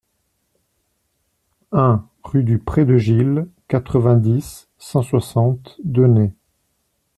un rue du Pré de Gill, quatre-vingt-dix, cent soixante, Denney